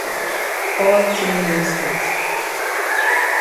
All tin don set.